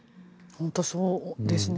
本当にそうですね。